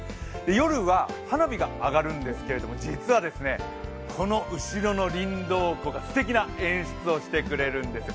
夜は花火が上がるんですけど実はこの後ろのりんどう湖がすてきな演出をしてくれるんですよ。